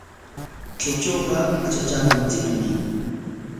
Kaytrawqa atratraakunchikmi .